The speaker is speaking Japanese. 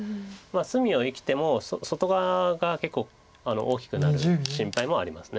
隅を生きても外側が結構大きくなる心配もあります。